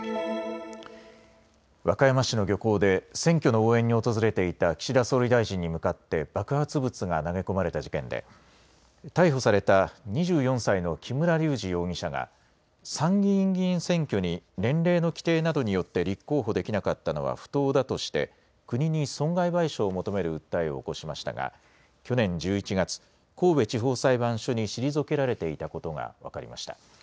和歌山市の漁港で選挙の応援に訪れていた岸田総理大臣に向かって爆発物が投げ込まれた事件で逮捕された２４歳の木村隆二容疑者が参議院議員選挙に年齢の規定などによって立候補できなかったのは不当だとして国に損害賠償を求める訴えを起こしましたが去年１１月、神戸地方裁判所に退けられていたことが分かりました。